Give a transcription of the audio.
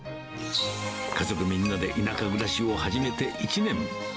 家族みんなで田舎暮らしを始めて１年。